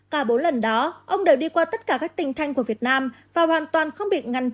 cả bốn lần đó ông đều đi qua tất cả các tình thanh của việt nam và hoàn toàn không bị ngăn